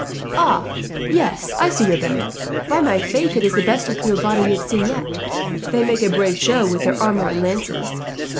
Ah, yes, I see your banner. "By my faith, it is the best accoutred body we have seen yet. They make a brave show with their armour and lances.